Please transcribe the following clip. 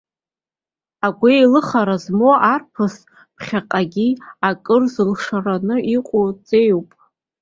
Агәеилыхра змоу арԥысуп, ԥхьаҟагьы акыр зылшаран иҟоу ҵеиуп.